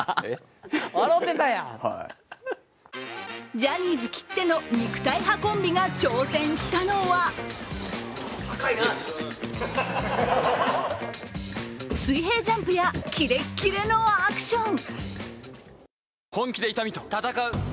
ジャニーズきっての肉体派コンビが挑戦したのは水平ジャンプやキレッキレのアクション。